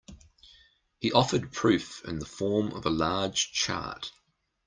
He offered proof in the form of a large chart.